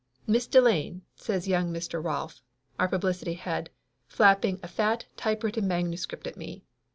"Miss Delane," says young Mr. Rolf, our publicity head, flapping a fat typewritten manuscript at me.